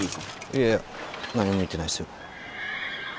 いやいや何も見てないっすよ。